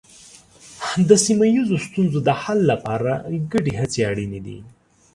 د سیمه ییزو ستونزو د حل لپاره ګډې هڅې اړینې دي.